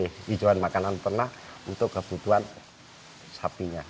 hijauan makanan pernah untuk kebutuhan sapinya